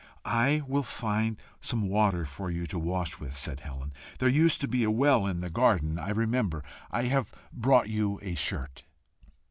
"I will find some water for you to wash with," said Helen. "There used to be a well in the garden, I remember. I have brought you a shirt."